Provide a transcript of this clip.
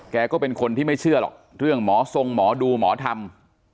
ก็เป็นคนที่ไม่เชื่อหรอกเรื่องหมอทรงหมอดูหมอธรรม